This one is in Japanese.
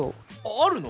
あるの？